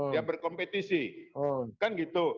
dia berkompetisi kan gitu